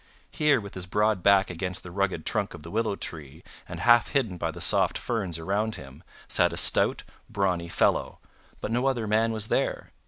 Here, with his broad back against the rugged trunk of the willow tree, and half hidden by the soft ferns around him, sat a stout, brawny fellow, but no other man was there.